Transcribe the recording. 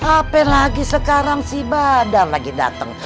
apa lagi sekarang si badar lagi dateng